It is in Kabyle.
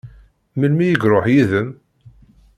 Melmi i iṛuḥ yid-m?